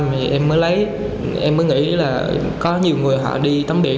thì em mới lấy em mới nghĩ là có nhiều người họ đi tắm biển